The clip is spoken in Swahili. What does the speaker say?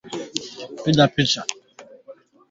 Chanjo ya haraka baada ya kujipata katika hatari ya kuambukizwa